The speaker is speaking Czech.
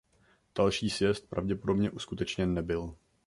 Další sjezd pravděpodobně uskutečněn nebyl.